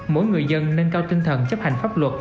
mỗi người dân nâng cao tinh thần chấp hành pháp luật